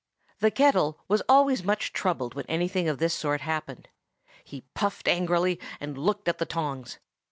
The kettle was always much troubled when anything of this sort happened. He puffed angrily, and looked at the tongs.